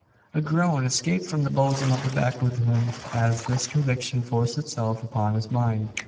A groan escaped from the bosom of the backwoodsman as this conviction forced itself upon his mind.